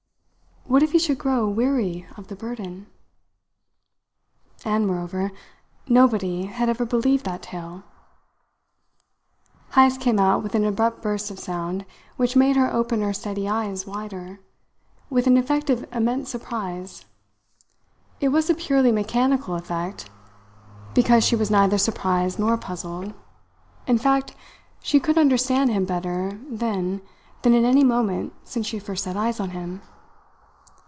What if he should grow weary of the burden? "And, moreover, nobody had ever believed that tale!" Heyst came out with an abrupt burst of sound which made her open her steady eyes wider, with an effect of immense surprise. It was a purely mechanical effect, because she was neither surprised nor puzzled. In fact, she could understand him better then than at any moment since she first set eyes on him.